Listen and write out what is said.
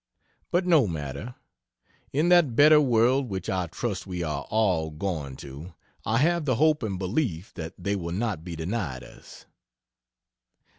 But no matter; in that better world which I trust we are all going to I have the hope and belief that they will not be denied us.